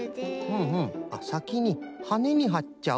ふんふんさきにはねにはっちゃう。